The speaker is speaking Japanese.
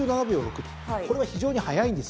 これは非常に速いんですよ。